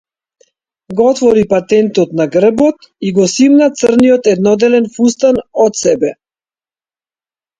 Го отвори патентот на грбот и го симна црниот едноделен фустан од себе.